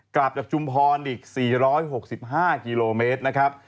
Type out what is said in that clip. กลับจากชุมพรอีก๔๖๕กิโลเมตรนะครับ